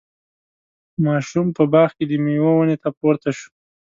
ماشوم په باغ کې د میوو ونې ته پورته شو.